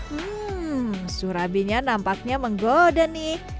hmm surabinya nampaknya menggoda nih